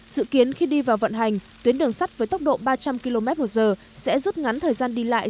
dự kiến khi đi vào vận hành tuyến đường sắt với tốc độ ba trăm linh km một giờ sẽ rút ngắn thời gian đi lại